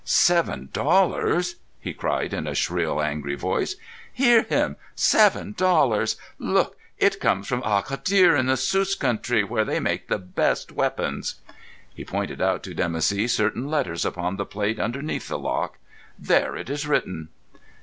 "Seven dollars!" he cried in a shrill, angry voice. "Hear him! Seven dollars! Look, it comes from Agadhir in the Sus country where they make the best weapons." He pointed out to Dimoussi certain letters upon the plate underneath the lock. "There it is written."